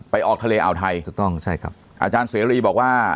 ไปออกทะเลอ่าวไทยอาจารย์เสรีบอกว่า